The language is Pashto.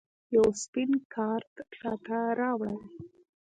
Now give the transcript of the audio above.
یو سپین کارت راته راوړئ